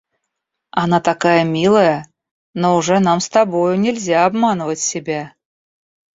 Она такая милая, но уже нам с тобою нельзя обманывать себя.